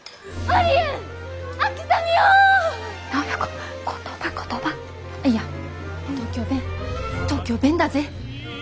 アイヤ東京弁東京弁だぜ。